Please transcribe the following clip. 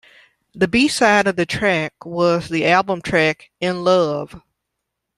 The B-side of the track was the album track, "In Love".